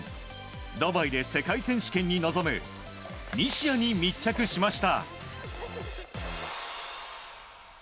ドバイで世界選手権に臨む西矢に密着しました。